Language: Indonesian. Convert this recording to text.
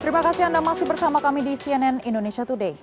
terima kasih anda masih bersama kami di cnn indonesia today